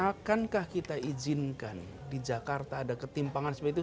akankah kita izinkan di jakarta ada ketimpangan seperti itu